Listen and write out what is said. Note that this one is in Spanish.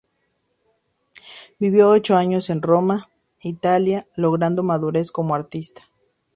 Vivió ocho años en Roma, Italia, logrando madurez como artista.